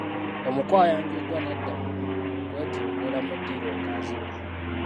Omuko ayanjuddwa n’adda mu kwentinkuula mu diiro nga azina!